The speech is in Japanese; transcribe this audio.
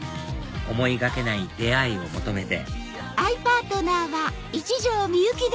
思いがけない出会いを求めて